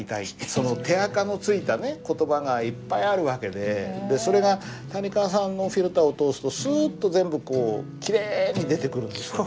手あかのついた言葉がいっぱいある訳でそれが谷川さんのフィルターを通すとすっと全部こうきれいに出てくるんですよね。